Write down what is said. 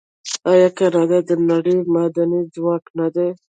آیا کاناډا د نړۍ معدني ځواک نه دی؟